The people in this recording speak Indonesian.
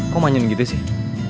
kok manyun gitu sih